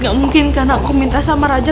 gak mungkin karena aku minta sama raja